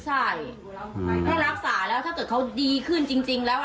ใช่ให้รักษาแล้วถ้าเกิดเขาดีขึ้นจริงแล้ว